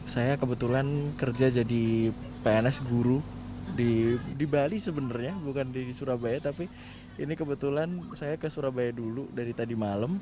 saya kebetulan kerja jadi pns guru di bali sebenarnya bukan di surabaya tapi ini kebetulan saya ke surabaya dulu dari tadi malam